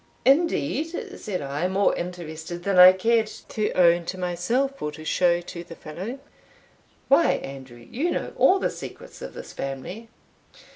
"Indeed!" said I, more interested than I cared to own to myself, or to show to the fellow "why, Andrew, you know all the secrets of this family."